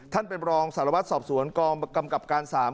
ท่านเป็นรองสัลวัฒน์สอบสวรรค์กรรมกรรมกรรมการสาม